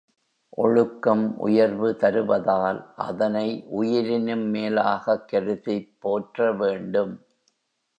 ஒழுக்கம் உயர்வு தருவதால் அதனை உயிரினும் மேலாகக் கருதிப் போற்ற வேண்டும்.